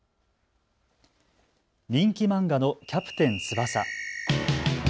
人気漫画のキャプテン翼。